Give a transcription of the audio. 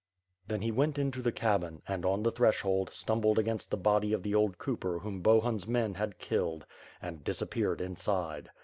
'' Then he went into the cabin and, on the threshold, stumbled against the body of the old cooper whom Bohun's men had killed, and disappeared inside.